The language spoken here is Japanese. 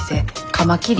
カマキリ。